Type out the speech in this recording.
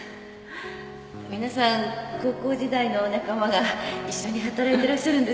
皆さん高校時代の仲間が一緒に働いてらっしゃるんですね。